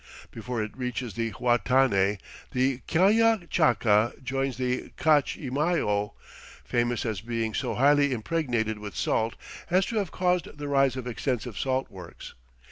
Before it reaches the Huatanay, the Lkalla Chaca joins the Cachimayo, famous as being so highly impregnated with salt as to have caused the rise of extensive salt works.